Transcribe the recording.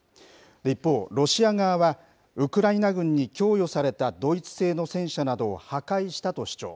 一方、ロシア側はウクライナ軍に供与されたドイツ製の戦車などを破壊したと主張。